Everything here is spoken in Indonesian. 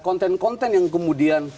konten konten yang kemudian